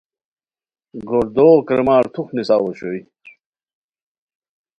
گوردوغو کریمار تھوخ نیساؤ اوشوئے